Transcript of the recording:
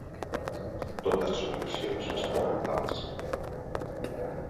Totes són versions instrumentals.